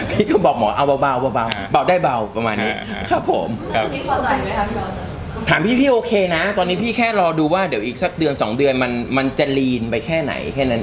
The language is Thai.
พี่ก็บอกหมอเอาเบาเบาได้เบาประมาณนี้